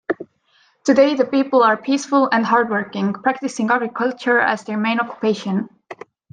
Today the people are peaceful and hardworking, practicing agriculture as their main occupation.